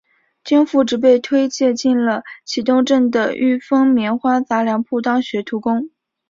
经父执辈推介进了启东镇的裕丰棉花杂粮铺当学徒工。